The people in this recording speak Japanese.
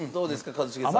一茂さん。